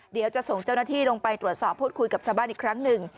เดี๋ยวจะส่งเจ้าหน้าที่ลงไปตรวจสอบพูดคุยกับชาวบ้านอีกครั้งหนึ่ง